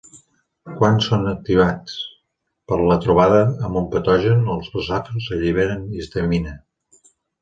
Quan són activats per la trobada amb un patogen, els basòfils alliberen histamina.